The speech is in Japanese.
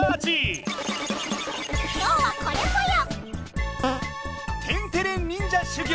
今日はこれぽよ！